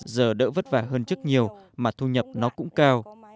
giờ đỡ vất vả hơn trước nhiều mà thu nhập nó cũng cao